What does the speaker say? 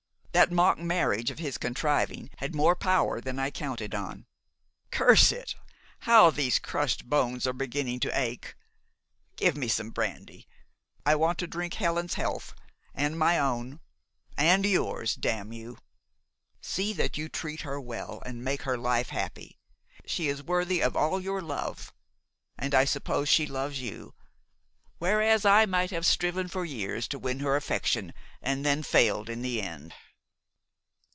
That mock marriage of his contriving had more power than I counted on. Curse it! how these crushed bones are beginning to ache! Give me some brandy. I want to drink Helen's health, and my own, and yours, damn you! See that you treat her well and make her life happy! She is worthy of all your love, and I suppose she loves you, whereas I might have striven for years to win her affection and then failed in the end."